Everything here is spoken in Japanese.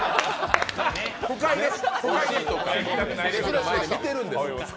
不快です。